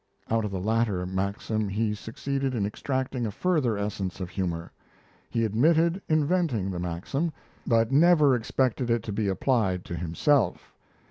Out of the latter maxim he succeeded in extracting a further essence of humour. He admitted inventing the maxim, but never expected it to be applied to himself.